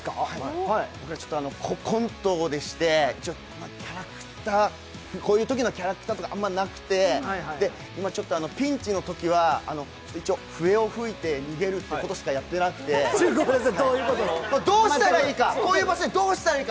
コントでして、こういうときのキャラクターとかあんまなくて、ちょっとピンチのときは一応笛を吹いて逃げるってことしかやってなくて、どうしたらいいか、こういう場所でどうしたらいいか？